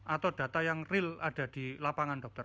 atau data yang real ada di lapangan dokter